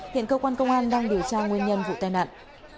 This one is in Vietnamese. hiện cơ quan công an đang điều tra nguyên nhân vụ tai nạn